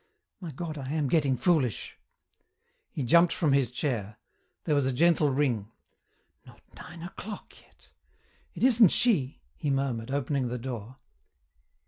My God! I am getting foolish." He jumped from his chair. There was a gentle ring. "Not nine o'clock yet. It isn't she," he murmured, opening the door.